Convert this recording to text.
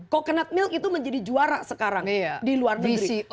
coconut milk itu menjadi juara sekarang di luar negeri